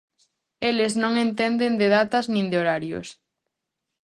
Eles no entenden de datas nin de horarios.